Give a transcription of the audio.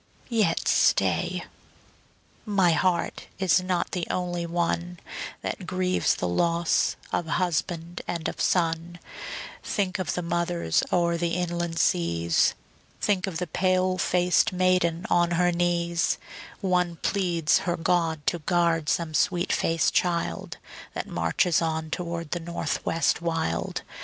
Yet stay, my heart is not the only one That grieves the loss of husband and of son; Think of the mothers o'er the inland seas; Think of the pale faced maiden on her knees; One pleads her God to guard some sweet faced child That marches on toward the North West wild.